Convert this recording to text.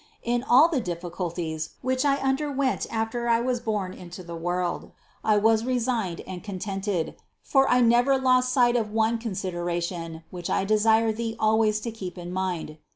In all the difficulties, which I underwent after I was born into the world, I was re signed and contented, for I never lost sight of one con sideration, which I desire thee always to keep in mind.